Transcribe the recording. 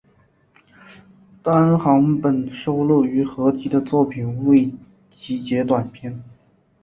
单行本收录于合集的作品未集结短篇